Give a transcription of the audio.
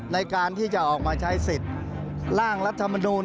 ในการที่จะออกมาใช้สิทธิ์ร่างรัฐมนูล